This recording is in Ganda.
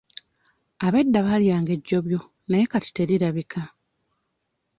Ab'edda baalyanga ejjobyo naye kati terirabika.